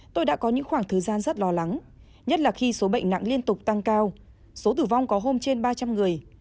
tôi đã có những khoảng thời gian rất lo lắng nhất là khi số bệnh nặng liên tục tăng cao số tử vong có hôm trên ba trăm linh người